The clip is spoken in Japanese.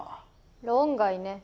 論外ね。